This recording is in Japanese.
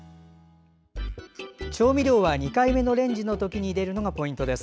調味料は２回目のレンジにかける時に入れるのがポイントです。